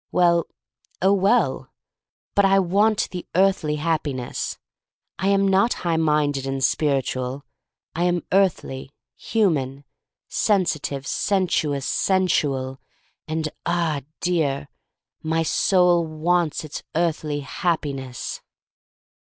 Well — oh, welll But I want the earthly Hap THE STORY OF MARY MAC LANE lOQ piness. I am not high minded and spiritual. I am earthly, human — sensitive, sensuous, sensual, and, ah, dear, my soul wants its earthly Happi ness!